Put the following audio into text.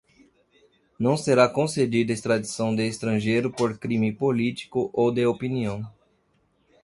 não será concedida extradição de estrangeiro por crime político ou de opinião;